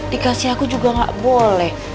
dikasih aku juga gak boleh